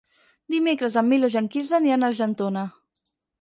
Dimecres en Milos i en Quirze aniran a Argentona.